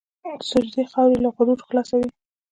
د سجدې خاورې له غرور خلاصوي.